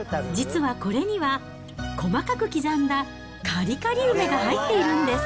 実はこれには、細かく刻んだカリカリ梅が入っているんです。